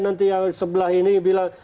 nanti yang sebelah ini bilang